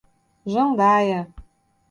Jandaia